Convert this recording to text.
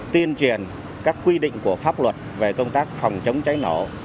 tuyên truyền các quy định của pháp luật về công tác phòng chống cháy nổ